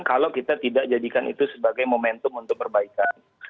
kalau kita tidak jadikan itu sebagai momentum untuk perbaikan